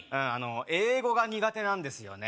英語が苦手なんですよね